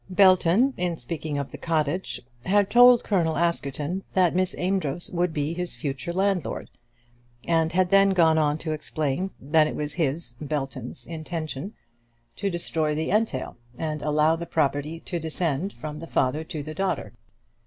Belton, in speaking of the cottage, had told Colonel Askerton that Miss Amedroz would be his future landlord, and had then gone on to explain that it was his, Belton's, intention to destroy the entail, and allow the property to descend from the father to the daughter.